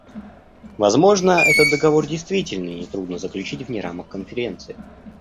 Возможно, этот договор действительно нетрудно заключить вне рамок Конференции.